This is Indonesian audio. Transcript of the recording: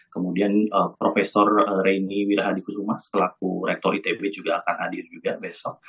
kemudian prof reni wirahadikun rumah selaku rektor itb juga akan hadir juga besok